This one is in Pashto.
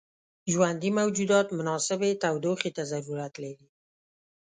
ژوندي موجودات مناسبې تودوخې ته ضرورت لري.